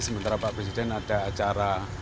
sementara pak presiden ada acara